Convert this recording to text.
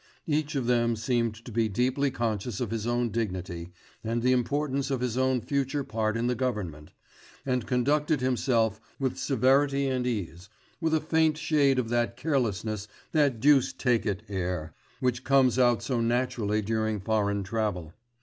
Each of them seemed to be deeply conscious of his own dignity, and the importance of his own future part in the government, and conducted himself with severity and ease, with a faint shade of that carelessness, that 'deuce take it' air, which comes out so naturally during foreign travel.